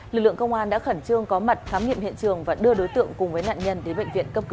lực lượng công an đã khẩn trương có mặt khám nghiệm hiện trường và đưa đối tượng cùng với nạn nhân đến bệnh viện cấp cứu